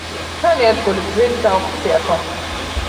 ჩვენი ერთგული გზირი დაუხრჩვიათო.